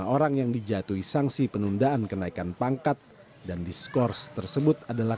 lima orang yang dijatuhi sanksi penundaan kenaikan pangkat dan diskors tersebut adalah